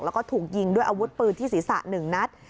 แล้วก็ถูกยิงด้วยอาวุธปืนที่ศีรษะ๑นัด